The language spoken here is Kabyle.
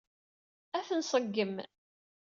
Ad t-nṣeggem.